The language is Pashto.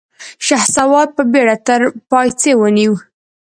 شهسوار په بېړه تر پايڅې ونيو.